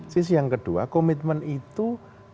sisi yang kedua komitmen itu tidak ada